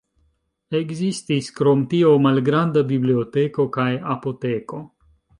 Ekzistis krom tio malgranda biblioteko kaj apoteko.